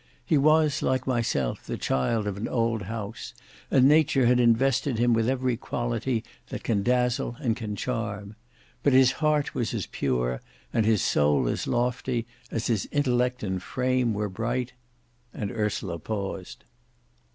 He was, like myself, the child of an old house, and Nature had invested him with every quality that can dazzle and can charm. But his heart was as pure, and his soul as lofty, as his intellect and frame were bright,—" and Ursula paused.